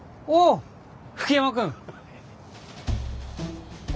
吹山君。